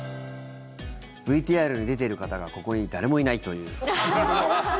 ＶＴＲに出ている方がここに誰もいないという。